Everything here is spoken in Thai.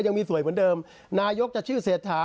ยังมีสวยเหมือนเดิมนายกจะชื่อเศรษฐา